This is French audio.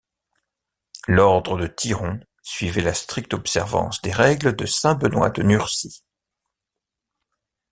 L’ordre de Tiron suivait la stricte observance des règles de saint Benoît de Nursie.